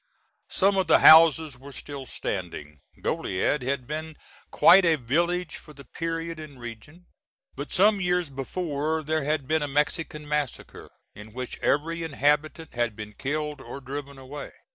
Some of the houses were still standing. Goliad had been quite a village for the period and region, but some years before there had been a Mexican massacre, in which every inhabitant had been killed or driven away.